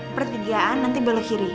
perkejuan nanti belok kiri